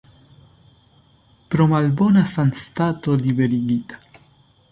Pro malbona sanstato liberigita.